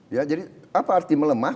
ya jadi apa arti melemah